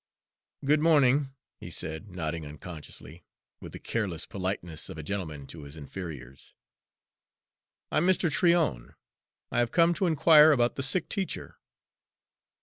"Good morning," he said, nodding unconsciously, with the careless politeness of a gentleman to his inferiors. "I'm Mr. Tryon. I have come to inquire about the sick teacher."